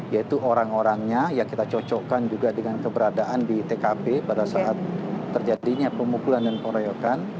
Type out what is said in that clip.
yaitu orang orangnya yang kita cocokkan juga dengan keberadaan di tkp pada saat terjadinya pemukulan dan pengeroyokan